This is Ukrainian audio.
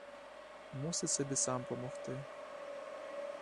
Мусить собі сам помогти.